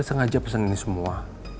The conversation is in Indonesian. saya sengaja pesen ini semua